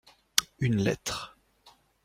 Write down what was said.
Une lettre.